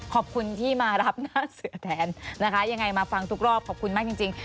ขอบคุณที่มารับหน้าเสือแทนนะคะยังไงมาฟังทุกรอบขอบคุณมากจริง